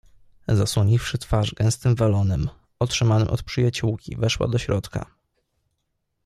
Zasłoniwszy twarz gęstym welonem, otrzymanym od przyjaciółki, weszła do środka.